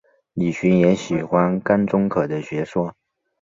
李寻也喜欢甘忠可的学说。